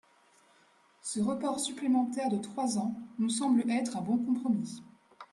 Ce report supplémentaire de trois ans nous semble être un bon compromis.